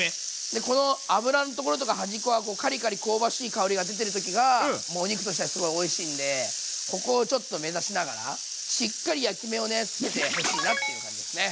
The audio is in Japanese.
でこの脂のところとか端っこがこうカリカリ香ばしい香りが出てる時がもうお肉としてはすごいおいしいんでここをちょっと目指しながらしっかり焼き目をねつけてほしいなっていう感じですね。